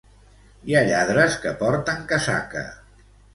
Hi ha lladres que porten casaca.